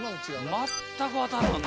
全く当たらんね。